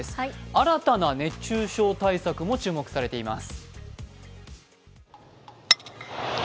新たな熱中症対策も注目されています。